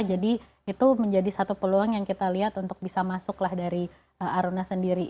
jadi itu menjadi satu peluang yang kita lihat untuk bisa masuklah dari aruna sendiri